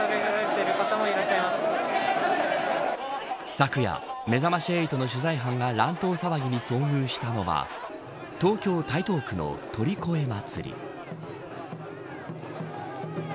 昨夜、めざまし８の取材班が乱闘騒ぎに遭遇したのは東京、台東区の鳥越祭。